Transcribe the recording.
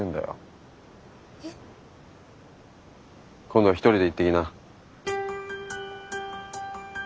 今度は一人で行ってきな。